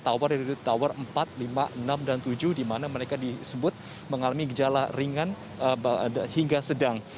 tower dari tower empat lima enam dan tujuh di mana mereka disebut mengalami gejala ringan hingga sedang